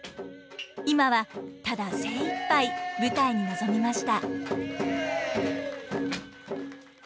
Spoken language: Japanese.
今はただ精いっぱい舞台に臨みました。